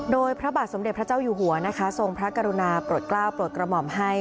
โดยพระบาทสมเด็จพระเจ้าอยู่หัวนะคะทรงพระกรุณาโปรดกล้าวโปรดกระหม่อมให้